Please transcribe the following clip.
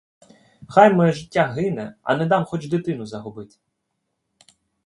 Хай моє життя гине, а не дам хоч дитину загубить!